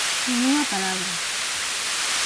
Nin unha palabra.